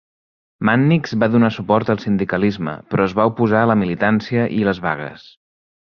Mannix va donar suport al sindicalisme però es va oposar a la militància i les vagues.